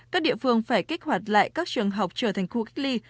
các địa phương phải kích hoạt lại các trường học trở thành khu cách ly